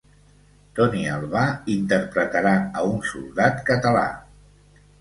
Toni Albà interpretarà a un soldat català.